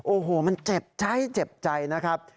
โอ้โหมันเจ็บใจนะครับ